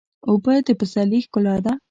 اوبه د پسرلي ښکلا ده.